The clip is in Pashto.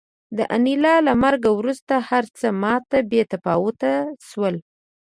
د انیلا له مرګ وروسته هرڅه ماته بې تفاوته شول